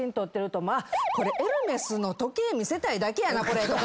これエルメスの時計見せたいだけやなとか。